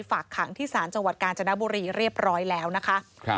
ฝากขังที่ศาลจังหวัดกาญจนบุรีเรียบร้อยแล้วนะคะ